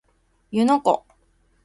湯ノ湖